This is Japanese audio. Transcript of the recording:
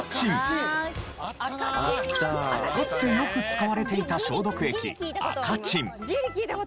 かつてよく使われていた消毒液赤チン。